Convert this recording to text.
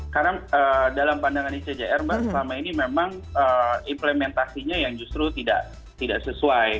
karena dalam pandangan icjr mbak selama ini memang implementasinya yang justru tidak sesuai